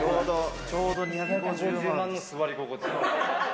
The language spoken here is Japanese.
ちょうど２５０万の座り心地。